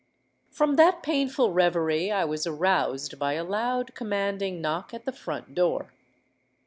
"From that painful reverie I was aroused by a loud commanding knock at the front door.